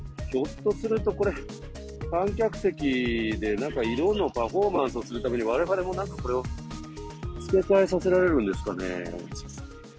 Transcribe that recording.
ひょっとするとこれ、観客席でなんか色のパフォーマンスをするために、われわれもなんかこれを着け替えさせられるんですかね。